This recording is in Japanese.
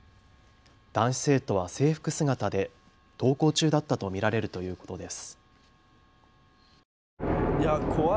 男子生徒は制服姿で登校中だったと見られるということです。